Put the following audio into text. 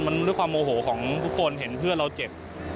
มันด้วยความโมโหของทุกคนเห็นเพื่อนเราเจ็บ